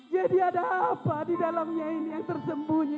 jadi ada apa di dalamnya ini yang tersembunyi